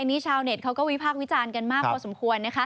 อันนี้ชาวเน็ตเขากระวิภาคและวิจารณ์กันมากพอสมควร